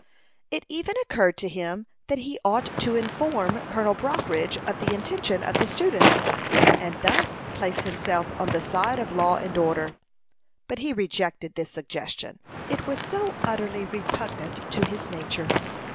It even occurred to him that he ought to inform Colonel Brockridge of the intention of the students, and thus place himself on the side of law and order; but he rejected this suggestion, it was so utterly repugnant to his nature.